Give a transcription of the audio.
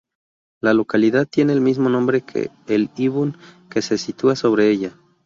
La localidad tiene el mismo nombre que el ibón que se sitúa sobre ella.